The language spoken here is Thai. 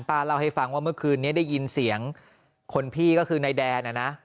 เล่าให้ฟังว่าเมื่อคืนนี้ได้ยินเสียงคนพี่ก็คือนายแดนนะ